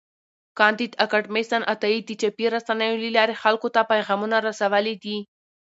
کانديد اکاډميسن عطایي د چاپي رسنیو له لارې خلکو ته پیغامونه رسولي دي.